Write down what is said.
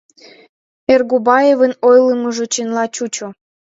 Эргубаевын ойлымыжо чынла чучо.